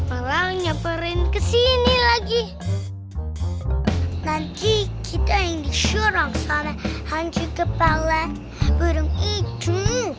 orangnya perin ke sini lagi nanti kita yang disuruh sana hantu kepala burung itu